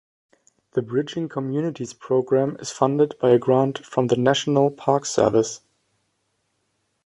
The Bridging Communities program is funded by a grant from the National Park Service.